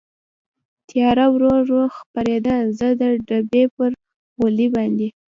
تېاره ورو ورو خپرېدل، زه د ډبې پر غولي باندې.